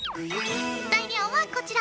材料はこちら！